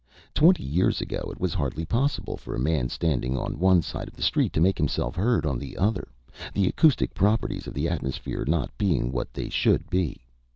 Twenty years ago it was hardly possible for a man standing on one side of the street to make himself heard on the other, the acoustic properties of the atmosphere not being what they should be.